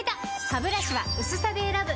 ハブラシは薄さで選ぶ！